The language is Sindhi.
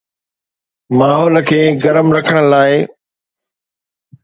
ماحول کي گرم رکڻ لاءِ